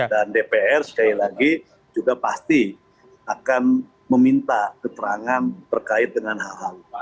dan dpr sekali lagi juga pasti akan meminta keterangan terkait dengan hal hal